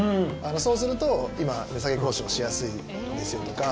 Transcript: そうすると、今値下げ交渉しやすいですよとか。